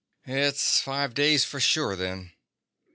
"It's five days for sure then."